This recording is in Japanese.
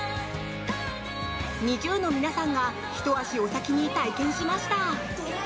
ＮｉｚｉＵの皆さんがひと足お先に体験しました。